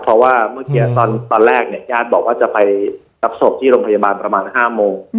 เพราะว่าเมื่อกี้ตอนแรกเนี่ยญาติบอกว่าจะไปรับศพที่โรงพยาบาลประมาณ๕โมง